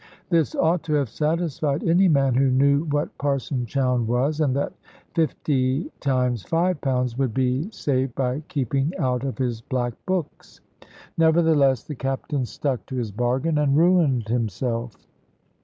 This ought to have satisfied any man who knew what Parson Chowne was, and that fifty times five pounds would be saved by keeping out of his black books. Nevertheless the Captain stuck to his bargain and ruined himself.